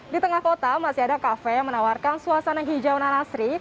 di tengah kota masih ada kafe yang menawarkan suasana hijau nanasri